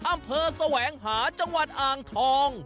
อำเภอแสวงหาจังหวัดอ่างทอง